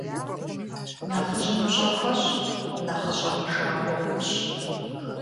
Нэхъыжьым пщӀэ хуэщӀ, нэхъыщӀэм и жагъуэ умыщӀ.